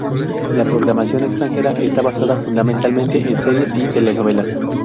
La programación extranjera está basada fundamentalmente en series y telenovelas.